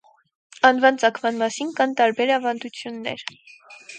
Անվան ծագման մասին կան տարբեր ավանդություններր։